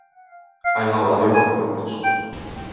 Hai unha votación por puntos.